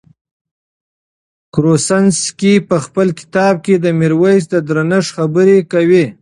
کروسنسکي په خپل کتاب کې د میرویس د درنښت خبره کوي.